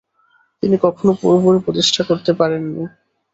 তিনি কখনো পুরোপুরি প্রতিষ্ঠিত করতে পারেননি।